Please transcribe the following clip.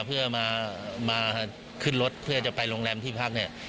เพื่อมาขึ้นรถเพื่อจะไปโรงแรมที่พักเนี่ย